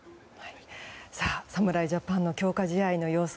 侍ジャパンの強化試合の様子